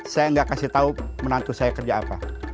saya gak kasih tau menantu saya kerja apa